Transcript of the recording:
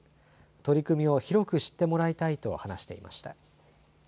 取り組みを広く知ってもらいたいと話していました。